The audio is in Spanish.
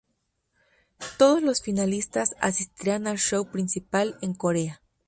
Todos los finalistas asistirán al show principal en Corea.